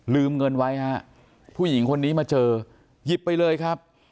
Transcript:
เงินไว้ฮะผู้หญิงคนนี้มาเจอหยิบไปเลยครับ